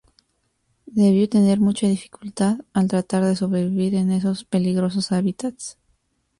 Debió tener mucha dificultad al tratar de sobrevivir en esos peligrosos hábitats.